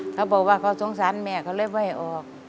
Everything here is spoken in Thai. เขาบอกว่าเขาสงสารแม่เขาเลยไม่ออก